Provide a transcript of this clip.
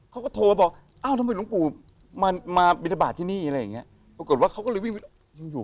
เขาก็โทรมาบอกทำไมลุงกู่มาบินทบาทที่นี่ปรากฏว่าเขาก็เลยวิ่งวิน